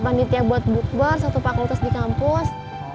panitia buat bukber satu fakultas di kampus